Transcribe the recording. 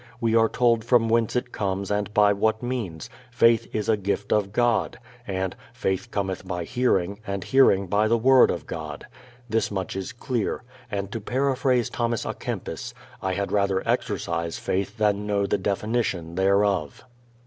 We are told from whence it comes and by what means: "Faith is a gift of God," and "Faith cometh by hearing, and hearing by the word of God." This much is clear, and, to paraphrase Thomas à Kempis, "I had rather exercise faith than know the definition thereof."